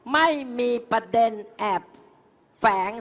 ไม่มีประเด็นแอบแฝง